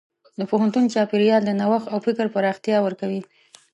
د پوهنتون چاپېریال د نوښت او فکر پراختیا ورکوي.